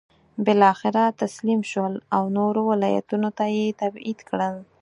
بالاخره تسلیم شول او نورو ولایتونو ته یې تبعید کړل.